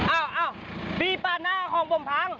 อ้าวอ้าวพี่ปาดหน้าของพรุ่งพัง